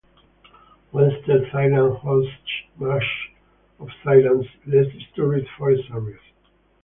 Western Thailand hosts much of Thailand's less-disturbed forest areas.